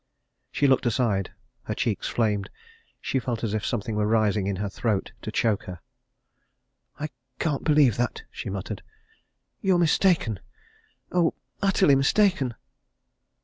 She looked aside; her cheeks flamed; she felt as if something were rising in her throat to choke her. "I can't believe that!" she muttered. "You're mistaken! Oh utterly mistaken!"